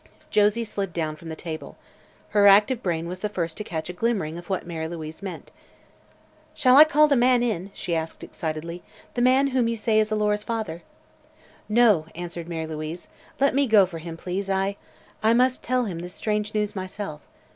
Josie slid down from the table. Her active brain was the first to catch a glimmering of what Mary Louise meant. "Shall I call that man in?" she asked excitedly, "the man whom you say is Alora's father?" "No," answered Mary Louise. "Let me go for him, please. I I must tell him this strange news myself.